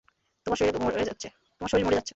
তোমার শরীর মরে যাচ্ছে।